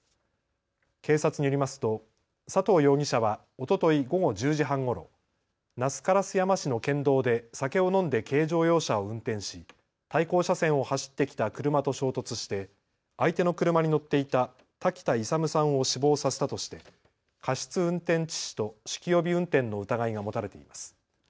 警察によりますと佐藤容疑者はおととい午後１０時半ごろ、那須烏山市の県道で酒を飲んで軽乗用車を運転し対向車線を走ってきた車と衝突して相手の車に乗っていた瀧田勇さんを死亡させたとして過失運転致死と酒気帯び運転の疑いが持たれています。